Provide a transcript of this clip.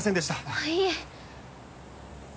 あっいえ。